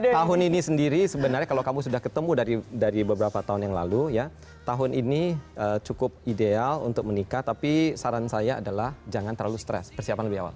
tahun ini sendiri sebenarnya kalau kamu sudah ketemu dari beberapa tahun yang lalu ya tahun ini cukup ideal untuk menikah tapi saran saya adalah jangan terlalu stres persiapan lebih awal